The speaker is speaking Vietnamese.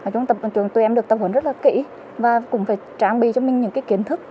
trong tập huấn trường tụi em được tập huấn rất là kỹ và cũng phải trang bị cho mình những cái kiến thức